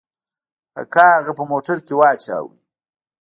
اکا هغه په موټر کښې واچاوه.